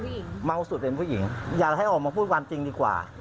เมาสุดเป็นผู้หญิงอยากให้ออกมาพูดความจริงดีกว่า